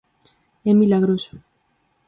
É milagroso.